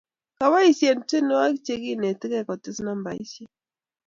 Kiboisien tenwogin ke netgei ketes nambaisiek